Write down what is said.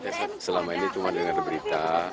saya selama ini cuma dengar berita